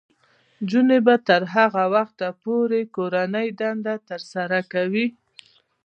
نجونې به تر هغه وخته پورې کورنۍ دندې ترسره کوي.